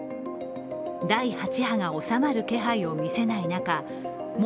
第８波が収まる気配を見せない中元